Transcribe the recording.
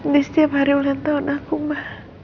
di setiap hari ulang tahun aku mbak